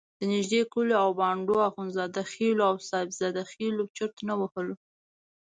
د نږدې کلیو او بانډو اخندزاده خېلو او صاحب زاده خېلو چرت نه وهلو.